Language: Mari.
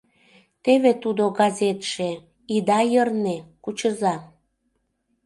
Теве тудо газетше, ида йырне, кучыза.